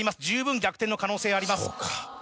十分逆転の可能性あります。